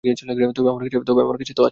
তবে আমার কাছে তো আছে।